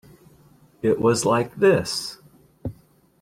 It was like this.